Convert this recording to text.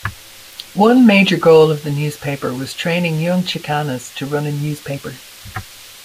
One major goal of the newspaper was training young Chicanas to run a newspaper.